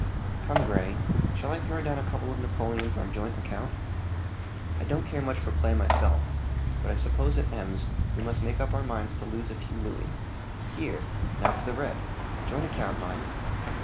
"Come, Grey; shall I throw down a couple of napoleons on joint account? I don't care much for play myself; but I suppose at Ems we must make up our minds to lose a few louis. Here! now for the red joint account, mind!"